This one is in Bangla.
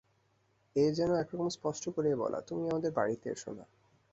এ যেন একরকম স্পষ্ট করেই বলা, তুমি আমাদের বাড়িতে এসো না।